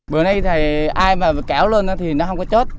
bữa nay thầy ai mà kéo lên nó thì nó không có chết